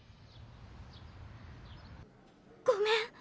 ごめん！